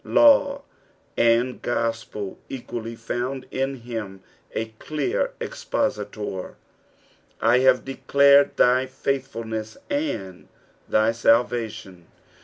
Law and gospel equally found In him a clear expositor. " I hare dtdared thy J'ailhful n«M and thy mlT)ation."